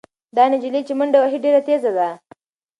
دا نجلۍ چې منډه وهي ډېره تېزه ده.